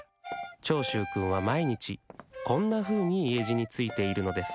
長州くんは毎日こんなふうに家路についているのです。